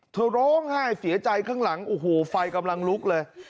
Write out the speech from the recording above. เธอร้องไห้เสียใจข้างหลังโอ้โหไฟกำลังลุกเลย